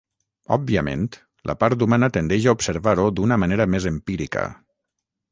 Òbviament, la part humana tendeix a observar-ho d'una manera més empírica.